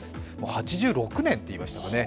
８６年って言いましたかね。